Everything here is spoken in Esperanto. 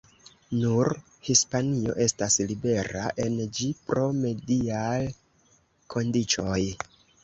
Nur Hispanio estas libera el ĝi pro mediaj kondiĉoj.